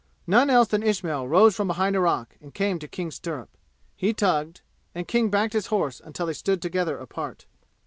none else than Ismail rose from behind a rock and came to King's stirrup. He tugged and King backed his horse until they stood together apart.